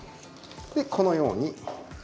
でこのように。